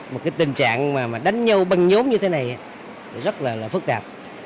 một cái tình trạng mà đánh nhau băng nhóm như thế này rất là phức tạp